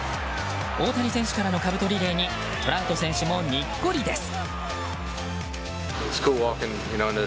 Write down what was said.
大谷選手からのかぶとリレーにトラウト選手もにっこりです。